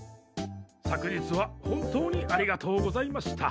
昨日は本当にありがとうございました。